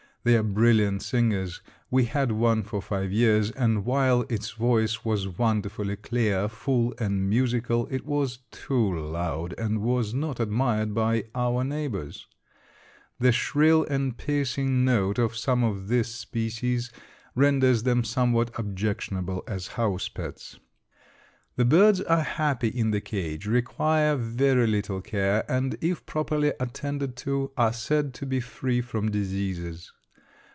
They are brilliant singers. We had one for five years, and while its voice was wonderfully clear, full, and musical, it was too loud and was not admired by our neighbors. The shrill and piercing note of some of this species renders them somewhat objectionable as house pets. The birds are happy in the cage, require very little care, and if properly attended to are said to be free from diseases.